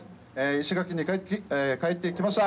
石垣に帰ってきました。